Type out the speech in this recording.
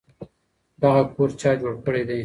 دغه کور چا جوړ کړی دی؟